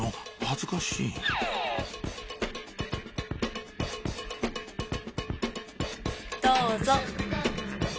恥ずかしいどうぞ。